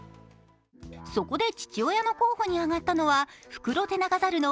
そこで父親の候補に挙がったのがフクロテナガザルの